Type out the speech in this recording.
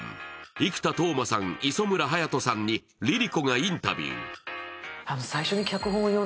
生田斗真さん、磯村勇斗さんにＬｉＬｉＣｏがインタビュー。